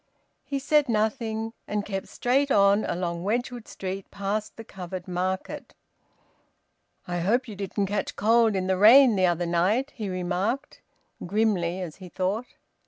He said nothing, and kept straight on along Wedgwood Street past the Covered Market. "I hope you didn't catch cold in the rain the other night," he remarked grimly, as he thought.